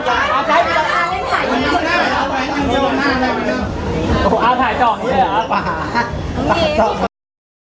อ้าวถ่ายต่อมันใช่หรอ